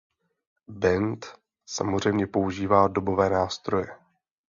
Band samozřejmě používá dobové nástroje.